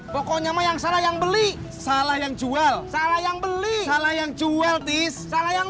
pokoknya yang salah yang beli salah yang jual salah yang beli salah yang jual tis salah yang